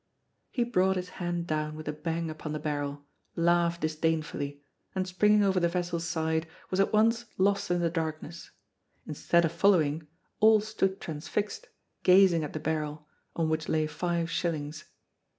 He brought his hand down with a bang upon the barrel, laughed disdainfully, and springing over the vessel's side was at once lost in the darkness. Instead of following, all stood transfixed, gazing at the barrel, on which lay five shillings.